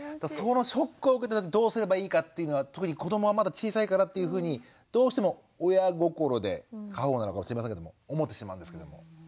そのショックを受けた時どうすればいいかっていうのは特に子どもはまだ小さいからっていうふうにどうしても親心で過保護なのかもしれませんけども思ってしまうんですけれども。